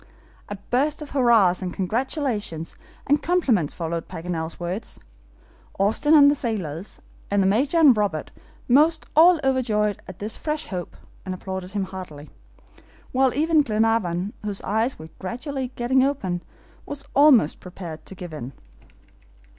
A burst of hurrahs, and congratulations, and compliments followed Paganel's words. Austin and the sailors, and the Major and Robert, most all overjoyed at this fresh hope, applauded him heartily; while even Glenarvan, whose eyes were gradually getting open, was almost prepared to give in.